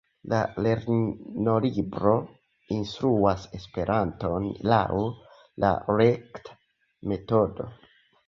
La lernolibro instruas Esperanton laŭ la rekta metodo.